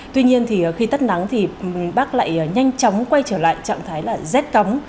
tuy nhiên thì khi tắt nắng thì bắc lại nhanh chóng quay trở lại trạng thái là rét tóng